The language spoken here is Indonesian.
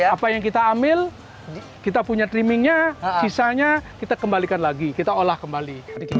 apa yang kita ambil kita punya trimmingnya sisanya kita kembalikan lagi kita olah kembali